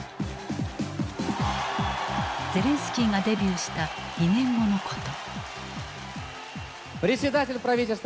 ゼレンスキーがデビューした２年後のこと。